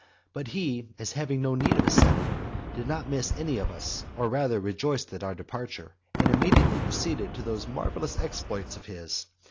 But he, as having no need of a senate, did not miss any of us, and rather rejoiced at our departure, and immediately proceeded to those marvellous exploits of his.